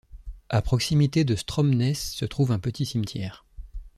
À proximité de Stromness se trouve un petit cimetière.